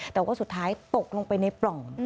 แต่ว่าสุดท้ายตกลงไปในปล่อง